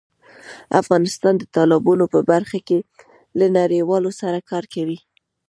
افغانستان د تالابونو په برخه کې له نړیوالو سره کار کوي.